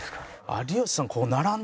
有吉さん